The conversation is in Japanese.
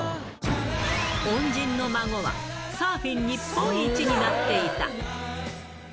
恩人の孫は、サーフィン日本一になっていた。